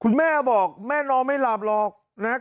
แม่บอกแม่นอนไม่หลับหรอกนะครับ